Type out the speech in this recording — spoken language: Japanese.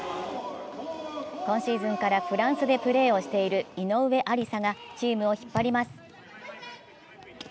今シーズンからフランスでプレーをしている井上愛里沙がチームを引っ張ります。